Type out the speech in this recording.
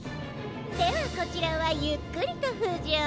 ではこちらはゆっくりとふじょう。